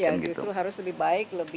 justru harus lebih baik